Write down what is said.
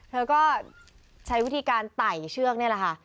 เธอก็ใช้วิธีการไต่เชือกนี่แหละค่ะ